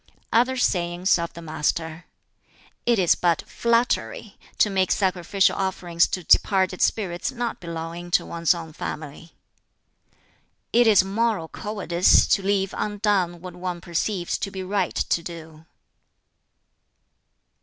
Other sayings of the Master: "It is but flattery to make sacrificial offerings to departed spirits not belonging to one's own family. "It is moral cowardice to leave undone what one perceives to be right to do."